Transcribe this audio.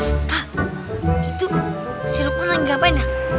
zit zit itu diturunkan ngapain ya